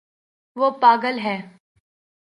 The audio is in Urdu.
وہ پاگل ہے